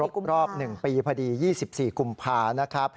ครบรอบ๑ปีพอดี๒๔กุมภาคม